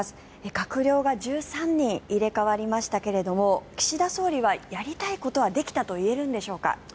閣僚が１３人入れ替わりましたが岸田総理はやりたいことはできたといえるんでしょうか？